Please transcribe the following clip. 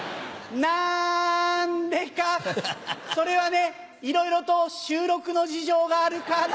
なんでかそれはねいろいろと収録の事情があるから。